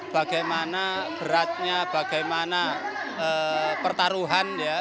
bagaimana beratnya bagaimana pertaruhan dia para pahlawan dalam memperjuangkan kemerdekaan